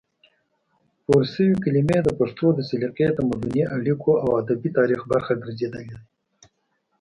پورشوي کلمې د پښتو د سلیقې، تمدني اړیکو او ادبي تاریخ برخه ګرځېدلې دي،